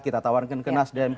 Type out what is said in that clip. kita tawarkan ke nasdem